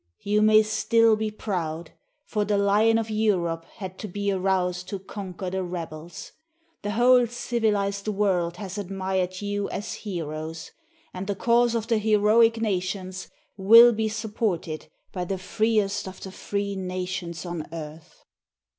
You may still be proud, for the lion of Europe had to be aroused to conquer the rebels ! The whole civilized world has admired you as heroes, and the cause of the heroic nations will be supported by the free est of the free nations on earth